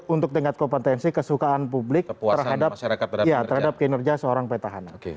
untuk tingkat kompetensi kesukaan publik terhadap kinerja seorang petahana